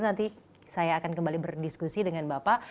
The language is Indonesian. nanti saya akan kembali berdiskusi dengan bapak